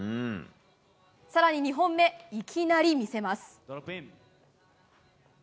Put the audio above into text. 更に２本目、いきなり見せます。